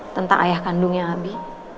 tentang ayah kandungnya abi